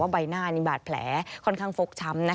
ใบหน้ามีบาดแผลค่อนข้างฟกช้ำ